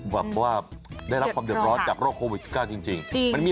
แบบว่าได้รับความเดือดร้อนจากโรคโควิด๑๙จริง